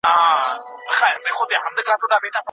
موږ باید د ټولنې اصلي ستونزې درک کړو.